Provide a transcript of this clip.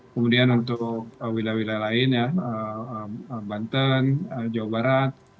kemudian untuk wilayah wilayah lain ya banten jawa barat